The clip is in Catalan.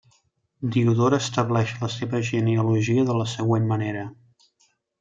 Diodor estableix la seva genealogia de la següent manera.